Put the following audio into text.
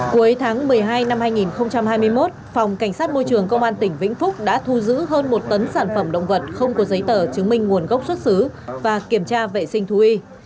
cuối tháng một mươi hai năm hai nghìn hai mươi một phòng cảnh sát môi trường công an tỉnh vĩnh phúc đã thu giữ hơn một tấn sản phẩm động vật không có giấy tờ chứng minh nguồn gốc xuất xứ và kiểm tra vệ sinh thú y